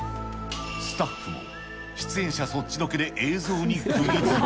スタッフも出演者そっちのけで、映像にくぎづけ。